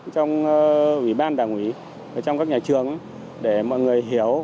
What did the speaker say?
trong ủy ban đảng ủy trong các nhà trường để mọi người hiểu